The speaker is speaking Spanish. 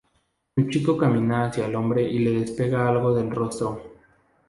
El chico camina hacia el hombre y le despega algo del rostro.